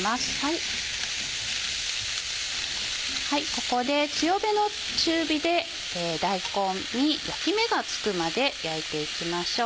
ここで強めの中火で大根に焼き目がつくまで焼いていきましょう。